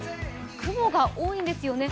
雲が多いんですよね。